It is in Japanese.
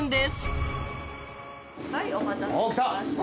はいお待たせしました。